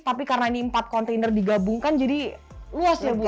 tapi karena ini empat kontainer digabungkan jadi luas ya bu ya